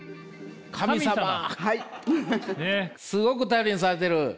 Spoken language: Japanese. すごく頼りにされてる。